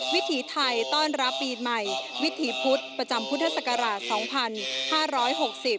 วิถีไทยต้อนรับปีใหม่วิถีพุธประจำพุทธศักราช๒๕๖๐